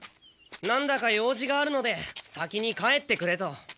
なんだか用事があるので先に帰ってくれと。